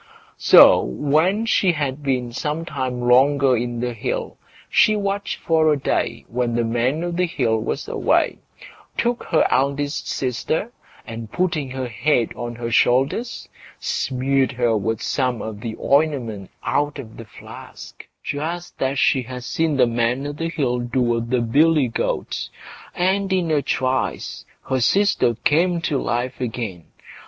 So when she had been some time longer in the hill, she watched for a day when the Man o' the Hill was away, took her eldest sister, and putting her head on her shoulders, smeared her with some of the ointment out of the flask, just as she had seen the Man o' the Hill do with the billy goat, and in a trice her sister came to life again.